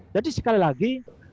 jadi sekali lagi